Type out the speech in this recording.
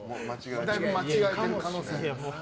だいぶ間違えてる可能性が。